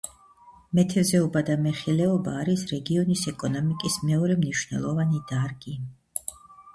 მეთევზეობა და მეხილეობა არის რეგიონის ეკონომიკის მეორე მნიშვნელოვანი დარგი.